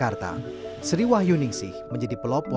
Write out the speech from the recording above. membuktikan pusingan sisi sisi